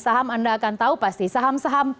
saham anda akan tahu pasti saham saham